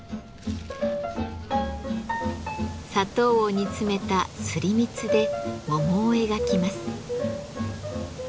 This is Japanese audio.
砂糖を煮詰めた「すり蜜」で桃を描きます。